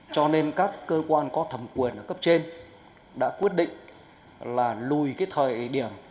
cho nên các cơ quan có thẩm quyền ở cấp trên đã quyết định là lùi cái thời điểm